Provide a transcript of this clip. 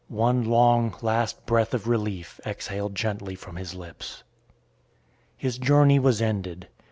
One long, last breath of relief exhaled gently from his lips. His journey was ended.